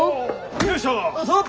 よいしょ！